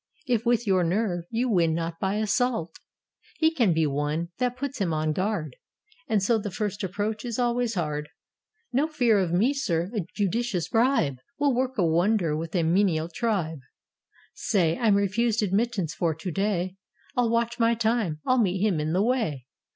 If, with your nerve, you win not by assault: He can be won: that puts him on his guard, And so the first approach is always hard." "No fear of me, sir: a judicious bribe Will work a wonder with a menial tribe : Say, I'm refused admittance for to day; I '11 watch my time ; I '11 meet him in the way.